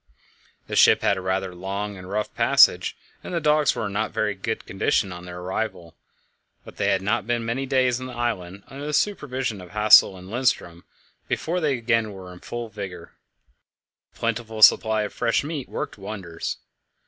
The ship had had a rather long and rough passage, and the dogs were not in very good condition on their arrival, but they had not been many days on the island under the supervision of Hassel and Lindström before they were again in full vigour. A plentiful supply of fresh meat worked wonders.